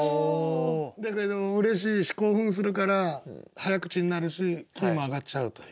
だけどもうれしいし興奮するから早口になるしキーも上がっちゃうという。